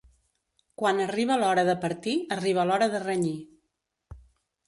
Quan arriba l'hora de partir, arriba l'hora de renyir.